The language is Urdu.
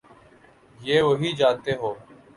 یہ وہی جانتے ہوں۔